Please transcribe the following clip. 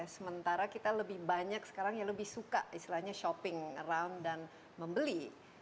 sementara kita lebih banyak sekarang yang lebih suka istilahnya shopping around dan membeli